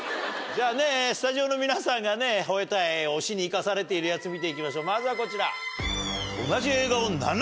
じゃあねスタジオの皆さんが吠えたい推しに生かされているヤツ見て行きましょうまずはこちら。